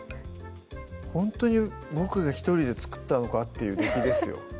ほんとにボクが一人で作ったのかっていう出来ですよ